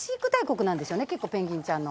結構ペンギンちゃんの。